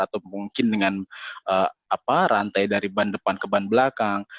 atau mungkin dengan rantai dari ban depan ke ban belakang